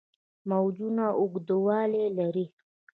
موجونه اوږدوالي لري.